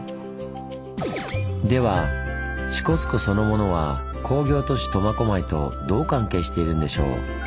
では支笏湖そのものは工業都市苫小牧とどう関係しているんでしょう？